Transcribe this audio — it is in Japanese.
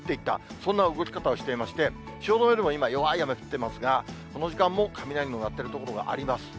そんな動き方をしていまして、汐留でも今、弱い雨降ってますが、この時間も雷の鳴っている所があります。